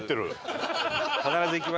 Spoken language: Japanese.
必ず行きます。